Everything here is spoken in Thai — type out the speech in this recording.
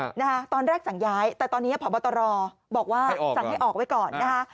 ใช่ตอนแรกสั่งย้ายแต่ตอนนี้พอบัตรรอบอกว่าสั่งให้ออกไว้ก่อน